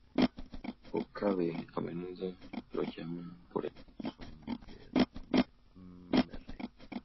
Okabe a menudo lo llama por el sobrenombre "Mr.